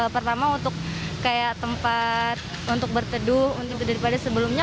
pertama untuk kayak tempat untuk berteduh daripada sebelumnya